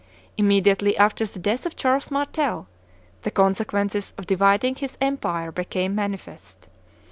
Immediately after the death of Charles Martel, the consequences of dividing his empire became manifest.